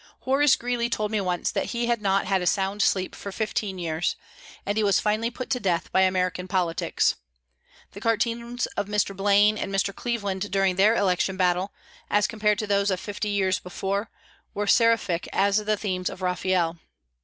Horace Greeley told me once that he had not had a sound sleep for fifteen years, and he was finally put to death by American politics. The cartoons of Mr. Blaine and Mr. Cleveland during their election battle, as compared to those of fifty years before, were seraphic as the themes of Raphael.